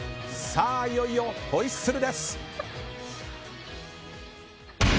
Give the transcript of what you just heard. いよいよホイッスルです。